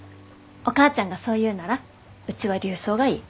お母ちゃんがそう言うならうちは琉装がいい。